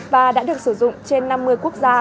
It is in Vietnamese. và đã được sử dụng trên năm mươi quốc gia